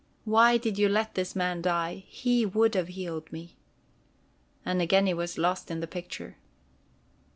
"Why did you let this man die? He would have healed me." And again he was lost in the picture.